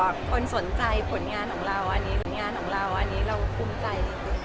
คนสนใจผลงานของเราอันนี้งานของเราอันนี้เราภูมิใจ